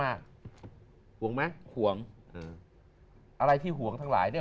อะไรที่ห่วงทั้งหลายเนี่ย